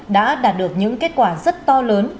đã đạt được những kết quả rất to lớn